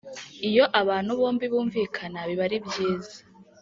iyo abantu bombi bumvikana biba ari byiza